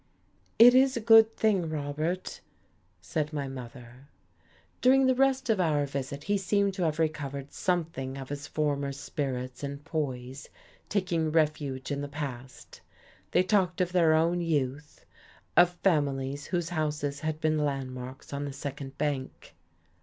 "It is a good thing, Robert," said my mother. During the rest of our visit he seemed to have recovered something of his former spirits and poise, taking refuge in the past. They talked of their own youth, of families whose houses had been landmarks on the Second Bank.